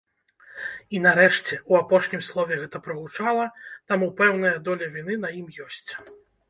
І, нарэшце, у апошнім слове гэта прагучала, таму пэўная доля віны на ім ёсць.